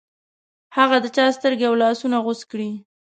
هغه د چا سترګې او لاسونه غوڅ کړې.